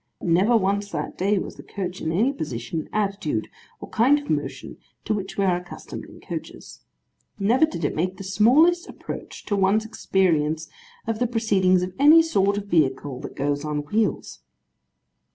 Never, never once, that day, was the coach in any position, attitude, or kind of motion to which we are accustomed in coaches. Never did it make the smallest approach to one's experience of the proceedings of any sort of vehicle that goes on wheels.